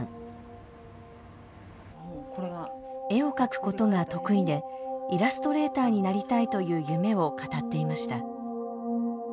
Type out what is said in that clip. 絵を描くことが得意でイラストレーターになりたいという夢を語っていました。